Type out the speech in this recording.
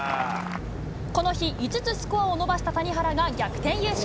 この日５つスコアを伸ばした谷原が逆転優勝。